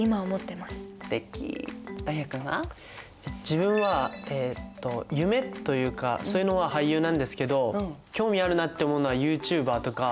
自分は夢というかそういうのは俳優なんですけど興味あるなって思うのはユーチューバーとか。